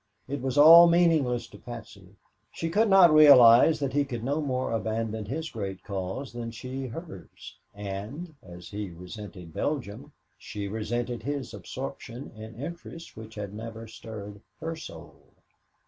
It was all meaningless to Patsy. She could not realize that he could no more abandon his great cause than she hers, and, as he resented Belgium, she resented his absorption in interests which had never stirred her soul.